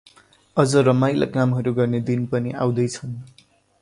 अझ रमाइला कामहरु गर्ने दिनहरु पनि अाउदैँ छन्